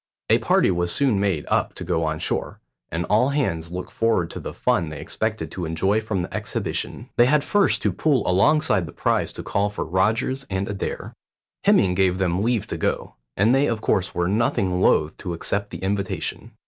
A party was soon made up to go on shore, and all hands looked forward to the fun they expected to enjoy from the exhibition. They had first to pull alongside the prize to call for Rogers and Adair. Hemming gave them leave to go, and they of course were nothing loath to accept the invitation.